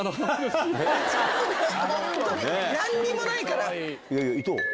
本当に何にもないから。